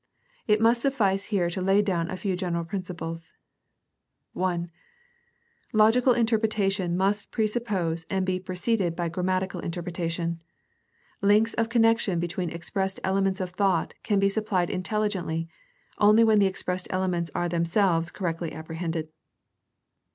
It must suffice here to lay down a few general principles. (i) Logical interpretation must presuppose and be pre ceded by grammatical interpretation; links of connection between expressed elements of thought can be supplied intelligently only when the expressed elements are them selves correctly apprehended.